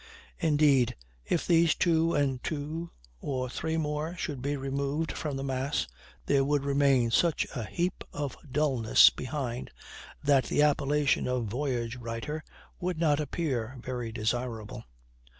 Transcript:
Indeed, if these two and two or three more should be removed from the mass, there would remain such a heap of dullness behind, that the appellation of voyage writer would not appear very desirable.